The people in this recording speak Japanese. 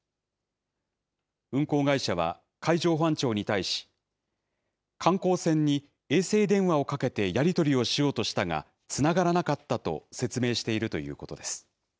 運航会社は海上保安庁に対し、観光船に衛星電話をかけてやり取りをしようとしたがつながらなかったと説明しているということです。